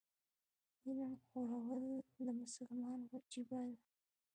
علم خورل د مسلمان وجیبه ده.